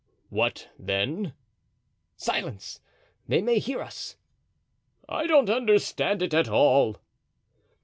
"What, then?" "Silence! They may hear us." "I don't understand it at all."